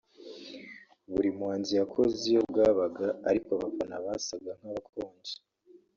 Buri muhanzi yakoze iyo bwabaga ariko abafana basaga nk’abakonje